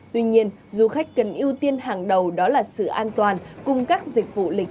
tuy nhiên du khách cần ưu tiên hàng đầu đó là sự an toàn cùng các dịch vụ lịch